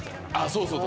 そうそう。